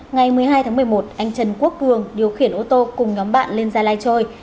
ngày một mươi hai tháng một mươi một anh trần quốc cường điều khiển ô tô cùng nhóm bạn lên gia lai chơi